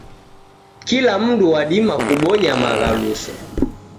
Kila mndu wadima kubonya maghaluso.